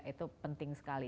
itu penting sekali